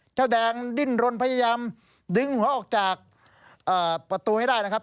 เจ้าแดงดิ้นรนพยายามดึงหัวออกจากประตูให้ได้นะครับ